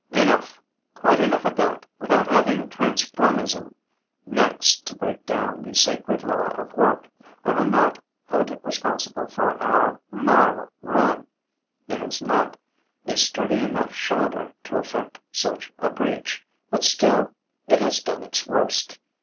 Enough, quite enough of that, without having transformism next to break down the sacred law of work. I will not hold it responsible for our moral ruin; it has not a sturdy enough shoulder to effect such a breach; but still it has done its worst.